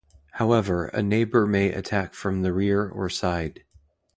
However, a neighbor may attack from the rear or side.